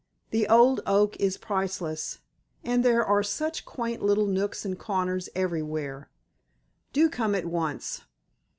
The old oak is priceless, and there are such quaint little nooks and corners everywhere. Do come at once.